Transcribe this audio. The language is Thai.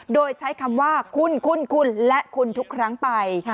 โดยใช้คำว่าคุณและคุณทุกครั้งไป